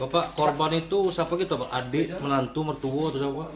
bapak korban itu siapa gitu pak adik menantu mertua atau siapa pak